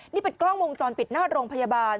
นี่เป็นกล้องวงจรปิดหน้าโรงพยาบาล